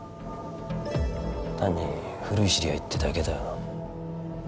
単に古い知り合いってだけだよな？